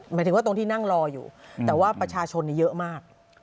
หมายถึงว่าตรงที่นั่งรออยู่แต่ว่าประชาชนเยอะมาก